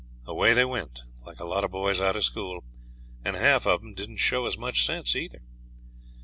Away they went, like a lot of boys out of school; and half of 'em didn't show as much sense either.